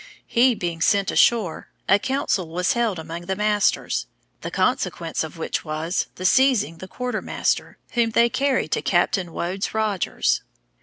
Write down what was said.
He being sent ashore, a council was held among the masters, the consequence of which was, the seizing the quarter master, whom they carried to Captain Woodes Rogers.